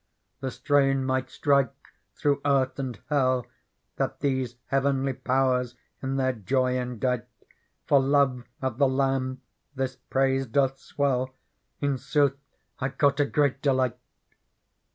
The strain might strike through earth and Hell That these heavenly Powers in their joy endite ; For love of the Lamb this praise doth swell. In sooth I caught a great delight.